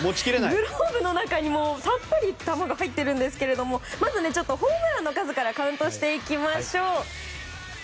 グローブの中にたっぷり球が入ってるんですがまずホームランの数からカウントしましょう。